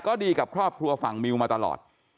ก็ดีกับครอบครัวฝั่งมิวมาตลอด